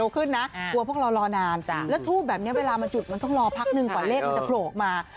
เร็วขึ้นนะตัวพวกเรารอนานจ้ะแล้วทูบแบบนี้เวลามาจุดมันต้องรอพักนึงก่อนเลขจะโปรดมา